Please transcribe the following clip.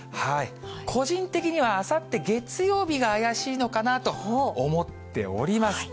個人的にはあさって月曜日が怪しいのかなと思っております。